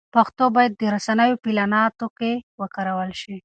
پښتو باید د رسنیو په اعلاناتو کې وکارول شي.